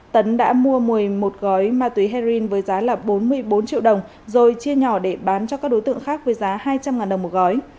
tấn đã mua một mươi một gói ma túy heroin với giá là bốn mươi bốn triệu đồng rồi chia nhỏ để bán cho các đối tượng khác với giá hai trăm linh đồng một gói